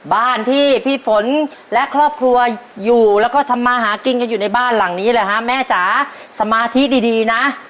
บ้านที่พี่ฝนและครอบครัวอยู่แล้วก็ทำมาหากินกันอยู่ในบ้านหลังนี้แหละฮะแม่จ๋าสมาธิดีดีนะ